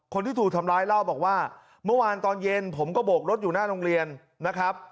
คนที่ถูกทำร้ายเล่าบอกว่าเมื่อวานตอนเย็นผมก็โบกรถอยู่หน้าโรงเรียนนะครับ